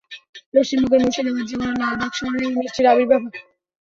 পশ্চিমবঙ্গের মুর্শিদাবাদ জেলার লালবাগ শহরে এই মিষ্টির আবির্ভাব।